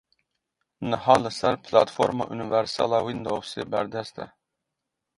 Niha li ser Platforma Universal a Windowsê berdest e.